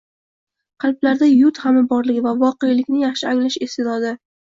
– qalblarida yurt g‘ami borligi va voqelikni yaxshi anglash iste’dodi.